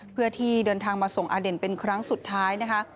เพื่อที่เดินทางมาส่งอเด่นเป็นครั้งสุดท้ายนะคะ